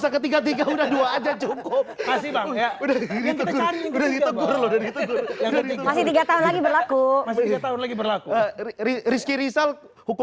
ketiga tiga udah dua aja cukup kasih